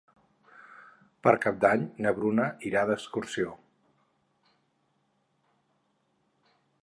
Per Cap d'Any na Bruna irà d'excursió.